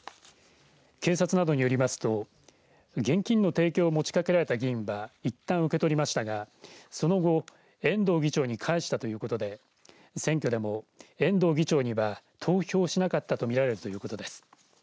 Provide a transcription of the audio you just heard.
警察などによりますと現金の提供を持ちかけられた議員はいったん受け取りましたがその後、遠藤議長に返したということで選挙でも遠藤議長には投票しなかったとみられるということです。